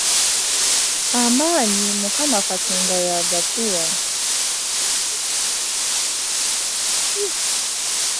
Amaanyi Mukama Katonda yagatuwa.